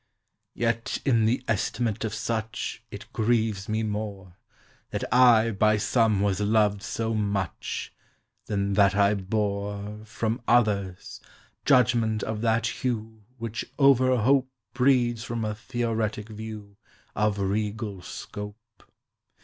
Yet in the estimate of such It grieves me more That I by some was loved so much Than that I bore, From others, judgment of that hue Which over hope Breeds from a theoretic view Of regal scope.